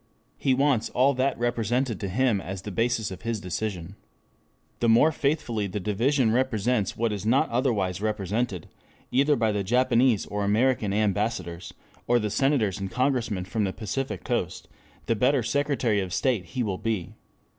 He wants all that represented to him as the basis of his decision. The more faithfully the Division represents what is not otherwise represented, either by the Japanese or American ambassadors, or the Senators and Congressmen from the Pacific coast, the better Secretary of State he will be.